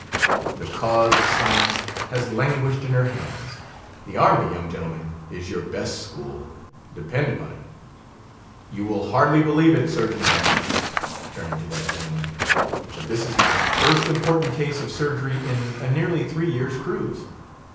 The cause of science has languished in her hands. The army, young gentlemen, is your best school; depend upon it. You will hardly believe it, Surgeon Bandage," turning to that gentleman, "but this is my first important case of surgery in a nearly three years' cruise.